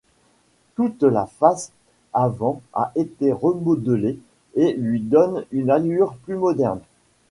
Toute la face avant a été remodelée et lui donne une allure plus moderne.